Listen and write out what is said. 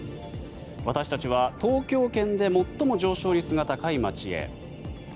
私たちは東京圏で最も上昇率が高い街へ。